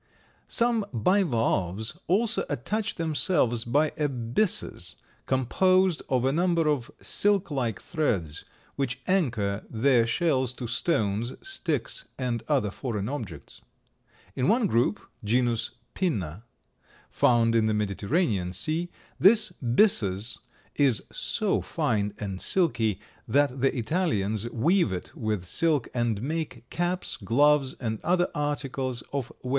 Some bivalves also attach themselves by a byssus composed of a number of silk like threads, which anchor their shells to stones, sticks, and other foreign objects. In one group (genus Pinna) found in the Mediterranean Sea, this byssus is so fine and silky that the Italians weave it with silk and make caps, gloves and other articles of wearing apparel.